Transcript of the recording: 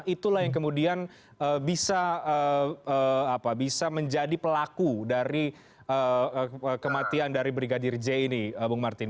itulah yang kemudian bisa menjadi pelaku dari kematian dari brigadir j ini bung martin